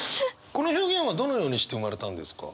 この表現はどのようにして生まれたんですか？